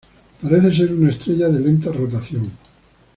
Parece ser una estrella de lenta rotación.